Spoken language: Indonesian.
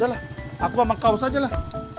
dahlah aku sama kau sajalah